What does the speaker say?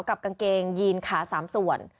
กางเกงยีนขา๓ส่วน